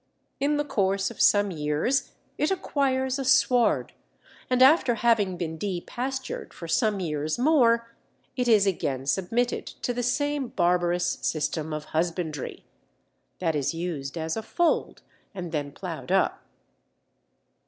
In the course of some years it acquires a sward, and after having been depastured for some years more, it is again submitted to the same barbarous system of husbandry" (that is used as a fold and then ploughed up).